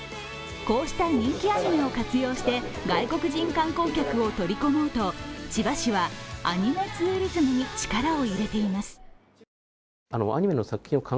こうした人気アニメを活用して外国人観光客を取り込もうと千葉市はアニメツーリズムに力を入れています。